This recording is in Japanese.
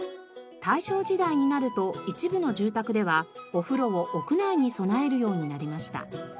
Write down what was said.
大正時代になると一部の住宅ではお風呂を屋内に備えるようになりました。